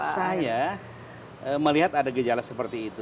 saya melihat ada gejala seperti itu